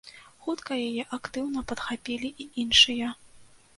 Хутка яе актыўна падхапілі і іншыя.